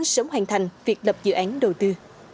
sớm hoàn thành việc lập dự án đầu tư